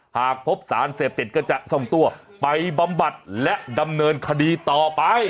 หากพบสารเสพติดก็จะส่งตัวไปบำบัดและดำเนินคดีต่อไป